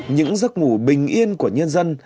những giấc ngủ bình yên của nhân dân